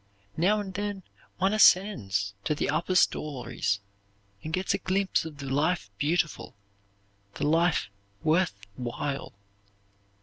Now and then one ascends to the upper stories and gets a glimpse of the life beautiful, the life worth while.